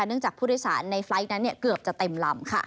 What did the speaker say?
เนื่องจากพู่โดยสารในไฟล์คนั้นนี่เกือบจะเต็มลำค่ะ